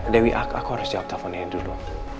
dewi art aku harus jawab teleponnya dulu